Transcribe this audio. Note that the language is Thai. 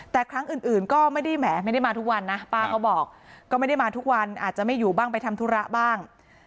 แต่ครั้งอื่นก็ไม่ได้แหมไม่ได้มาทุกวันนะป้าเขาบอกก็ไม่ได้มาทุกวันอาจจะไม่อยู่บ้างไปทำธุระบ้าง